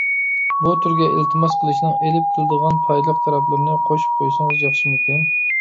بۇ تۈرگە ئىلتىماس قىلىشنىڭ ئېلىپ كېلىدىغان پايدىلىق تەرەپلىرىنى قوشۇپ قويسىڭىز ياخشىمىكىن.